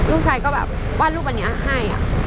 ลูกชายก็แบบวาดรูปอันนี้ให้